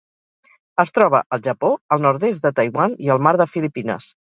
Es troba al Japó, el nord-est de Taiwan i el Mar de Filipines.